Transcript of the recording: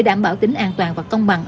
cảm ơn các bạn